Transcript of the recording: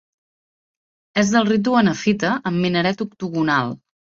És del ritu hanefita amb minaret octogonal.